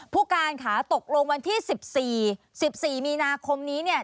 ผู้การค่ะตกลงวันที่๑๔๑๔มีนาคมนี้